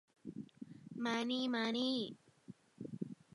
มานี่ มานี่